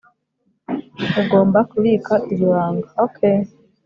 ugomba kubika iri banga, ok